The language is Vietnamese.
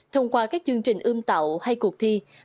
thông qua các chương trình ươm tạo hay cuộc thi